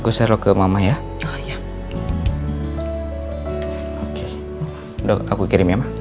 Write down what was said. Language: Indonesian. udah aku kirim ya ma